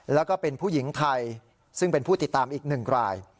แล้วก็เป็นผู้หญิงไทยซึ่งเป็นผู้ติดตามอีกหนึ่งราย